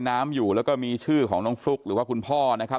น้ำอยู่แล้วก็มีชื่อของน้องฟลุ๊กหรือว่าคุณพ่อนะครับ